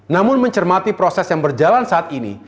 namun mencermati proses yang berjalan saat ini